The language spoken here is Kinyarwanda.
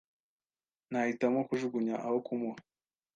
Nahitamo kujugunya aho kumuha.